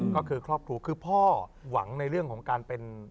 ก็คือครอบครัวคือพ่อหวังในเรื่องของการเป็น